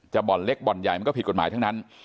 บ่อนเล็กบ่อนใหญ่มันก็ผิดกฎหมายทั้งนั้น